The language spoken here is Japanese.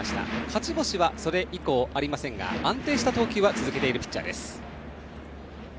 勝ち星は、それ以降ありませんが安定した投球は続けているピッチャーです。